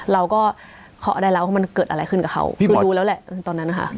เราก็เคาะได้แล้วว่ามันเกิดอะไรขึ้นกับเขาคือรู้แล้วแหละตอนนั้นนะคะ